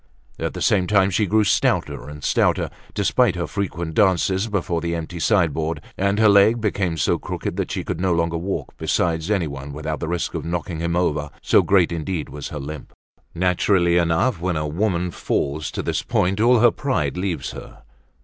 At the same time she grew stouter and stouter, despite her frequent dances before the empty sideboard, and her leg became so crooked that she could no longer walk beside anyone without the risk of knocking him over, so great indeed was her limp. Naturally enough when a woman falls to this point all her pride leaves her.